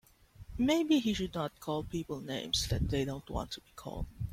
Maybe he should not call people names that they don't want to be called.